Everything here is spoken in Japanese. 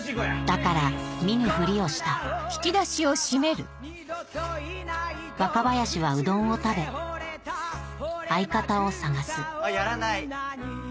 だから見ぬふりをした若林はうどんを食べ相方を探すあっやらない？